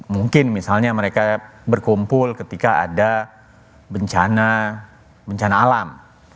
mungkin misalnya mereka berkumpul ketika ada bencana alam